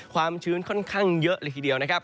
ความชื้นค่อนข้างเยอะเลยทีเดียวนะครับ